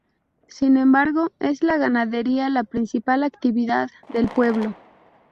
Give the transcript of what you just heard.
Sin embargo es la ganadería la principal actividad del pueblo.